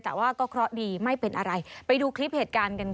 แต่ว่าก็เคราะห์ดีไม่เป็นอะไรไปดูคลิปเหตุการณ์กันค่ะ